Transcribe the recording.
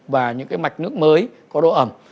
và những cái mạch nước mới có độ ẩm